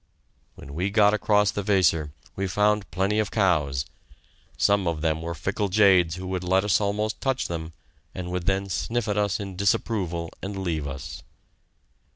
When we got across the Weser we found plenty of cows. Some of them were fickle jades who would let us almost touch them, and would then sniff at us in disapproval and leave us.